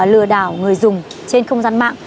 lừa đảo người dùng trên không gian mạng